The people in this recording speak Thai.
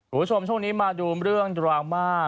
คุณผู้ชมช่วงนี้มาดูเรื่องดราม่า